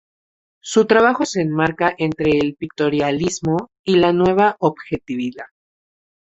Su trabajo se enmarca entre el pictorialismo y la nueva objetividad.